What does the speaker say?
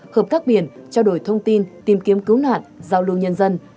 hợp tác biển trao đổi thông tin tìm kiếm cứu nạn giao lưu nhân dân